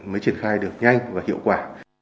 mới triển khai được nhanh và hiệu quả